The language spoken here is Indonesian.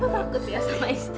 aku takut ya sama istri